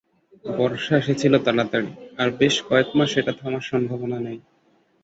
বর্ষা এসেছিল তাড়াতাড়ি, আর বেশ কয়েক মাস এটা থামার সম্ভাবনা নেই।